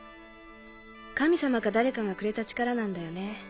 神様か誰かがくれた力なんだよね。